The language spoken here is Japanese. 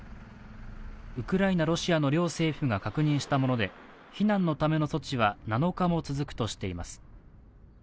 ウクライナ・ロシアの両政府が確認したもので避難のための措置は７日も続くとしています。